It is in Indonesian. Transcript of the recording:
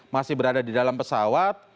masih berada di dalam pesawat